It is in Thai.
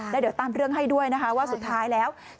แล้วเดี๋ยวตามเรื่องให้ด้วยนะคะว่าสุดท้ายแล้ว